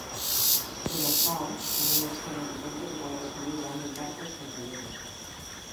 Curazao tiene un excelente puerto que puede recibir grandes barcos petroleros.